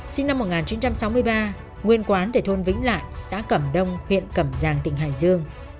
sinh năm một nghìn chín trăm sáu mươi ba nguyên quán tại thôn vĩnh lại xã cẩm đông huyện cẩm giang tỉnh hải dương